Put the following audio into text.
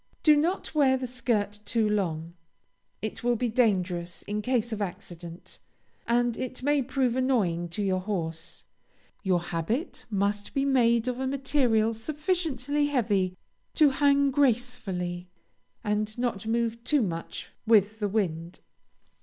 Do not wear the skirt too long; it will be dangerous in case of accident, and it may prove annoying to your horse. Your habit must be made of a material sufficiently heavy to hang gracefully, and not move too much with the wind.